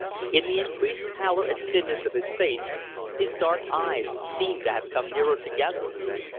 In the increased pallor and thinness of his face, his dark eyes seemed to have come nearer together.